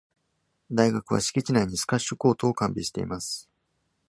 大学は敷地内にスカッシュコートを完備しています。